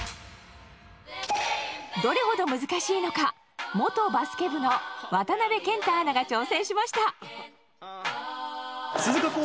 どれほど難しいのか元バスケ部の渡辺健太アナが挑戦しました。